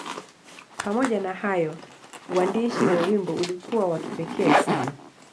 Pamoja na hayo, uandishi wa wimbo ulikuwa wa kipekee sana.